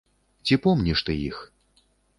Ці помніш ты іх?